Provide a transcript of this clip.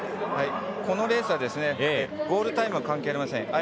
このレースはゴールタイムは関係ありません。